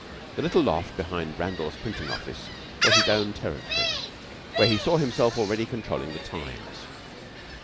The little loft behind Randall's printing office was his own territory, where he saw himself already controlling the "Times."